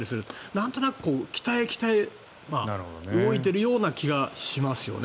なんとなく北へ、北へ動いているような気がします。